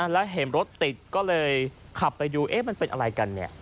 แล้วเห็นรถติดก็เลยขับไปดูเอ๊ะมันเป็นอะไรกันเนี่ย